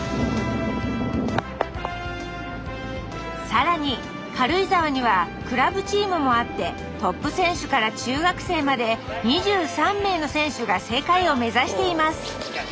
更に軽井沢にはクラブチームもあってトップ選手から中学生まで２３名の選手が世界を目指しています